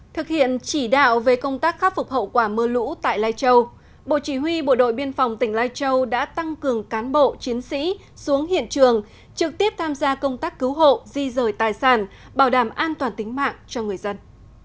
thực hiện chỉ đạo về công tác khắc phục hậu quả mưa lũ tại lai châu bộ chỉ huy bộ đội biên phòng tỉnh lai châu đã tăng cường cán bộ chiến sĩ xuống hiện trường trực tiếp tham gia công tác cứu hộ di rời tài sản bảo đảm an toàn tính mạng cho người dân